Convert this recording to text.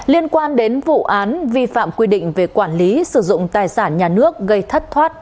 liên quan đến vụ án vi phạm quy định về quản lý sử dụng tài sản nhà nước gây thất thoát